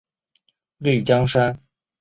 丽江杉